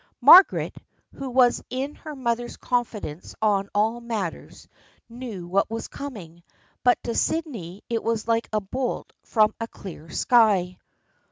Margaret, who was in her mother's confidence on all matters, knew what was coming, but to Sydney it was like a bolt from a clear sky.